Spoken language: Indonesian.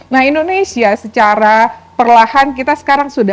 nah indonesia secara perlahan kita sekarang sudah